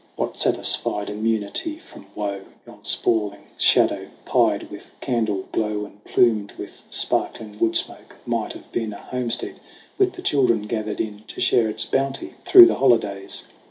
What satisfied immunity from woe ! Yon sprawling shadow, pied with candle glow And plumed with sparkling wood smoke, might have been A homestead with the children gathered in To share its bounty through the holidays.